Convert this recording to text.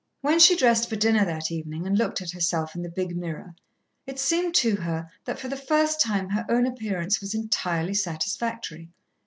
When she dressed for dinner that evening and looked at herself in the big mirror, it seemed to her that for the first time her own appearance was entirely satisfactory.